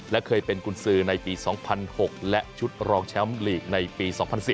และเคยเป็นกุญสือในปี๒๐๐๖และชุดรองแชมป์ลีกในปี๒๐๑๐